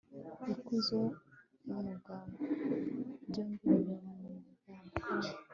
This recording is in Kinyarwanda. ikuzo n'umugayo, byombi biba mu magambo